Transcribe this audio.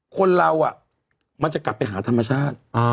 คนเรามันจะกลับไปหาธรรมชาติ